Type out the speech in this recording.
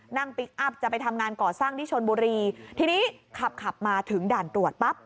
พลิกอัพจะไปทำงานก่อสร้างที่ชนบุรีทีนี้ขับขับมาถึงด่านตรวจปั๊บ